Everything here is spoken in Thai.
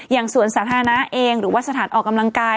สวนสาธารณะเองหรือว่าสถานออกกำลังกาย